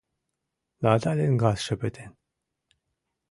— Наталин газше пытен.